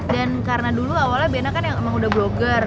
dan karena dulu awalnya bena kan emang udah blogger